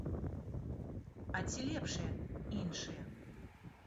А ці лепшыя іншыя?